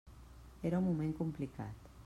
Era un moment complicat.